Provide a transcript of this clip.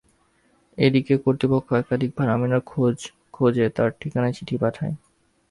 এদিকে কর্তৃপক্ষ একাধিকবার আমিনার খোঁজে তাঁর ঠিকানায় চিঠি পাঠায়।